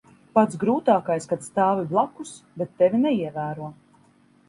Pats grūtākais - kad stāvi blakus, bet tevi neievēro.